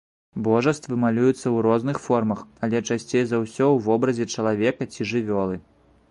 Божаствы малююцца ў розных формах, але часцей за ўсё ў вобразе чалавека ці жывёлы.